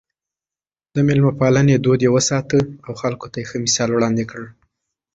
د مېلمه پالنې دود يې وساته او خلکو ته يې ښه مثال وړاندې کړ.